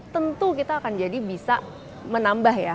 tentu kita akan jadi bisa menambah ya